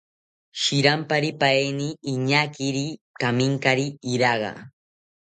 Shiramparipaeni iñaakiri kaminkari iraga